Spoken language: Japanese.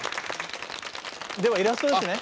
ではイラストですね。